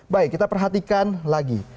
baik kita perhatikan lagi